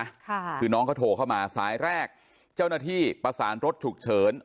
ค่ะคือน้องเขาโทรเข้ามาสายแรกเจ้าหน้าที่ประสานรถฉุกเฉิน